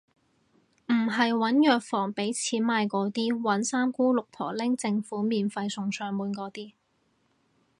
唔係搵藥房畀錢買嗰啲，搵三姑六婆拎政府免費送上門嗰啲